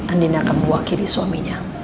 andien akan mewakili suaminya